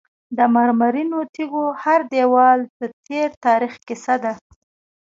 د مرمرینو تیږو هر دیوال د تیر تاریخ کیسه ده.